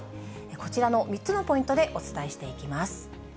こちらの３つのポイントでお伝えしていきます。